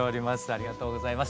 ありがとうございます。